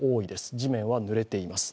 地面はぬれています。